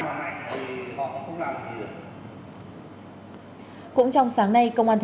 cũng trong sáng nay công an tp hải phòng phối hợp cùng với các đơn vị liên minh